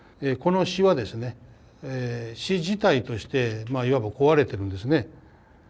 この詩はですね詩自体としてまあいわば壊れてるんですね。